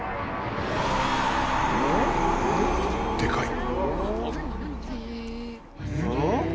でかい。